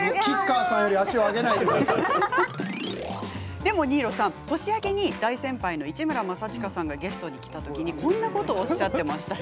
でも新納さん、年明けに大先輩、市村正親さんがゲストに来た時こんなことをおっしゃってましたよ。